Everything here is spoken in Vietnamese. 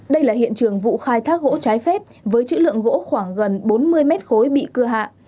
đây là hiện trường vụ khai thác gỗ trái phép với chữ lượng gỗ khoảng gần bốn mươi mét khối bị cưa hạ